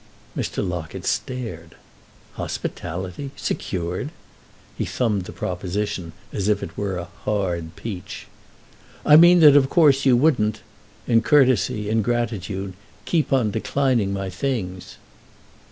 Mr. Locket stared. "Hospitality—secured?" He thumbed the proposition as if it were a hard peach. "I mean that of course you wouldn't—in courtsey, in gratitude—keep on declining my things."